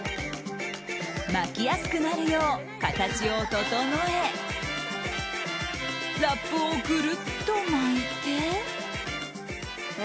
巻きやすくなるよう形を整えラップをぐるっと巻いて。